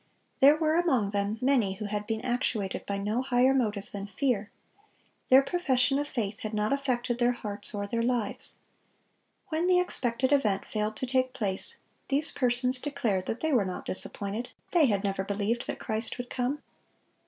There were among them many who had been actuated by no higher motive than fear. Their profession of faith had not affected their hearts or their lives. When the expected event failed to take place, these persons declared that they were not disappointed; they had never believed that Christ would come.